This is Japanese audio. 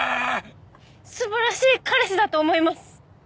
素晴らしい彼氏だと思います。